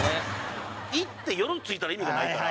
行って夜着いたら意味がないから。